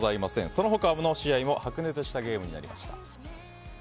その他の試合も白熱したゲームになりました。